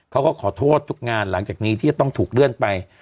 เขาก็ขอโทษทุกงานหลังจากนี้ที่จะต้องถูกเลื่อนไป